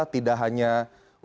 tidak hanya untuk